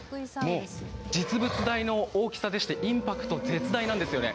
実物大の大きさでして、インパクト絶大なんですよね。